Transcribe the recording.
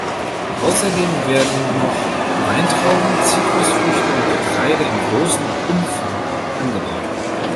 Außerdem werden noch Weintrauben, Zitrusfrüchte und Getreide in großem Umfang angebaut.